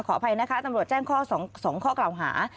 อภัยนะคะตำรวจแจ้งข้อ๒ข้อกล่าวหา